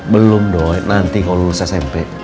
belum dong nanti kalau lulus smp